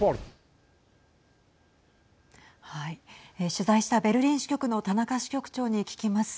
取材したベルリン支局の田中支局長に聞きます。